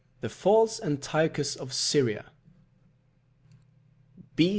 THE FALSE ANTIOCHUS OF SYRIA.